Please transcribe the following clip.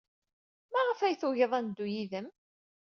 Maɣef ay tugid ad neddu yid-m?